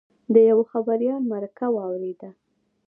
د یوه خبریال مرکه واورېده.